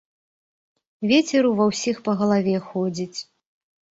Вецер у ва ўсіх па галаве ходзіць.